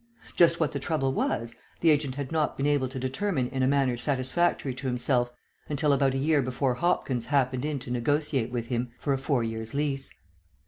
Just what the trouble was, the agent had not been able to determine in a manner satisfactory to himself until about a year before Hopkins happened in to negotiate with him for a four years' lease.